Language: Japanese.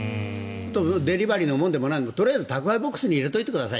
デリバリーのものでもなんでも宅配ボックスに入れておいてください。